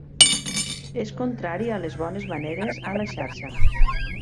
És contrari a les bones maneres a la xarxa.